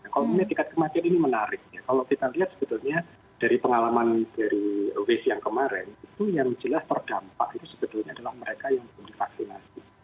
kalau kita lihat sebetulnya dari pengalaman dari wc yang kemarin itu yang jelas terdampak itu sebetulnya adalah mereka yang divaksinasi